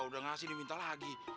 udah ngasih diminta lagi